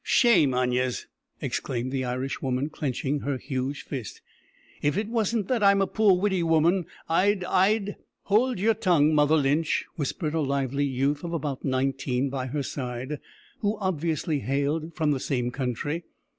"Shame on yez," exclaimed the Irish woman, clenching her huge fist. "If it wasn't that I'm a poor widdy woman, I'd I'd " "Howld yer tongue, Mother Lynch," whispered a lively youth of about nineteen by her side, who obviously hailed from the same country.